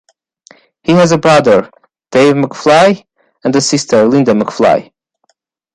He has a brother, Dave McFly, and a sister, Linda McFly.